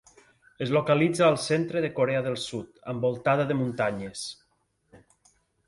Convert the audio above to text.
Es localitza al centre de Corea del Sud, envoltada de muntanyes.